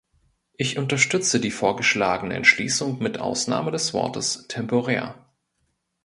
Ich unterstütze die vorgeschlagene Entschließung mit Ausnahme des Wortes "temporär".